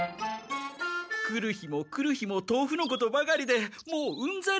来る日も来る日もとうふのことばかりでもううんざりして。